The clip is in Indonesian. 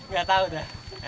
gak tau dah